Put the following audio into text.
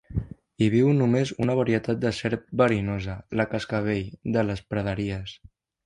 Hi viu només una varietat de serp verinosa, la cascavell de les praderies